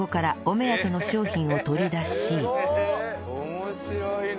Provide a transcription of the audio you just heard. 面白いね！